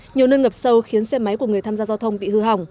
nhiều nơi ngập sâu khiến xe máy của người tham gia giao thông bị hư hỏng